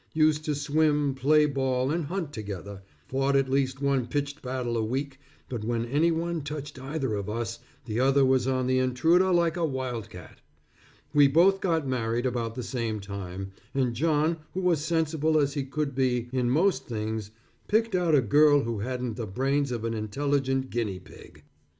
Used to swim, play ball, and hunt together, fought at least one pitched battle a week, but when any one touched either of us, the other was on the intruder like a wildcat. We both got married about the same time, and John who was sensible as he could be in most things, picked out a girl who hadn't the brains of an intelligent guinea pig.